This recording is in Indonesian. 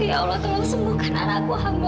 ya allah tolong sembuhkan anakku hama